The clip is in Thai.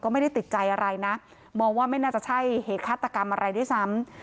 ไม่ได้ติดใจอะไรนะมองว่าไม่น่าจะใช่เหตุฆาตกรรมอะไรด้วยซ้ำ